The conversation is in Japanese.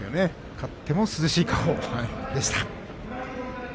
勝っても涼しい顔でした。